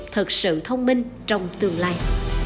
thật sự thông minh trong tương lai